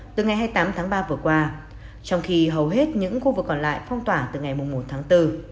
từ ngày hai mươi tám tháng ba vừa qua trong khi hầu hết những khu vực còn lại phong tỏa từ ngày một tháng bốn